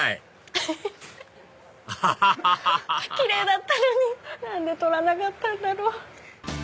アハハハハキレイだったのに何で撮らなかったんだろう。